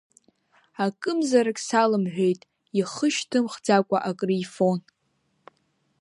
Акымзарак салымҳәеит, ихы шьҭымхӡакәа акрифон.